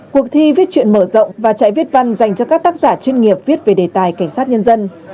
cuộc thi viết chuyện mở rộng và chạy viết văn dành cho các tác giả chuyên nghiệp viết về đề tài cảnh sát nhân dân